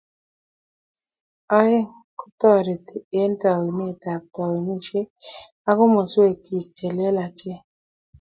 Aeng, kotoriti eng taunet ab taunishek ak komoswek chik che lelachen